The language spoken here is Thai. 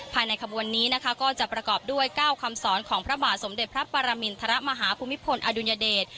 ภายในขบวนนี้นะคะก็จะประกอบด้วย๙คำสอนของพระบาทสมเด็จพระปรมินทรมาฮภูมิพลอดุลยเดช